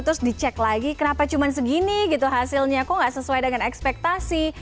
terus dicek lagi kenapa cuma segini gitu hasilnya kok nggak sesuai dengan ekspektasi